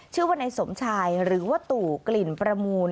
ชื่อว่านายสมชายหรือว่าตู่กลิ่นประมูล